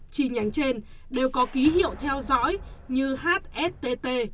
chi nhánh trên đều có ký hiệu theo dõi như hsttt